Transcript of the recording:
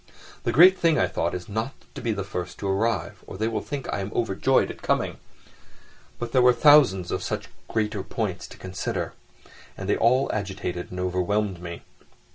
The great thing, I thought, is not to be the first to arrive, or they will think I am overjoyed at coming. But there were thousands of such great points to consider, and they all agitated and overwhelmed me.